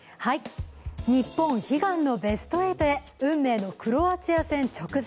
日本、悲願のベスト８へ運命のクロアチア戦直前。